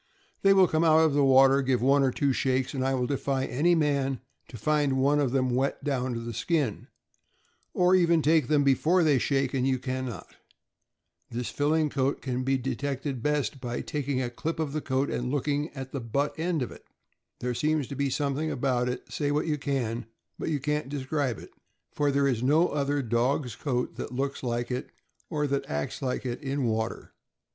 They will come out of the water, give one or two shakes, and I will defy any man to find one of them wet down to the skin; or even take them before they shake, and you can not. This filling coat can be detected best by taking a clip of the coat and looking at the THE CHESAPEAKE BAY DOG. 363 butt end of it. There seems to be something about it, say what you can, but you can't describe it, for there is no other dog's coat that looks like it or that acts like it in water.